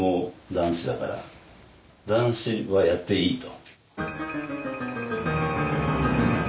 男子はやっていいと。